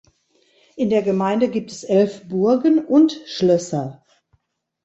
In der Gemeinde gibt es elf Burgen und Schlösser.